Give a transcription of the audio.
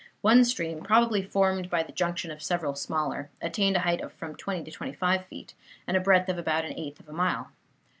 One stream, probably formed by the junction of several smaller, attained a height of from twenty to twenty five feet, and a breadth of about an eighth of a mile.